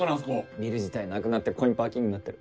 ビル自体なくなってコインパーキングになってる。